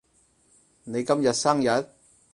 你今日生日？